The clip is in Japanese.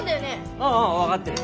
ああ分かってる。